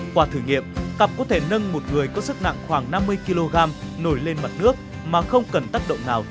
qua thử nghiệm cặp có thể nâng một người có sức nặng khoảng năm mươi kg nổi lên mặt nước mà không cần tác động nào